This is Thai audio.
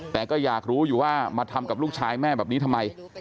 แต่ก็อยากรู้อยู่ว่ามาทำกับลูกชายแม่แบบนี้ทำไม